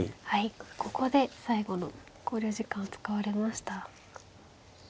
はいここで最後の考慮時間を使われました。